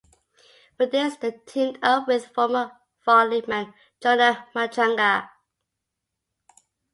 For this, they teamed up with former Far leadman, Jonah Matranga.